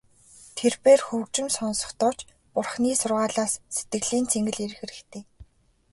Тэрбээр хөгжим сонсохдоо ч Бурханы сургаалаас сэтгэлийн цэнгэл эрэх хэрэгтэй.